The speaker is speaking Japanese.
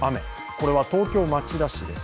これは東京・町田市です。